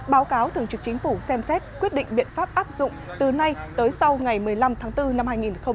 báo cáo thường trực chính phủ xem xét quyết định biện pháp áp dụng từ nay tới sau ngày một mươi năm tháng bốn năm hai nghìn hai mươi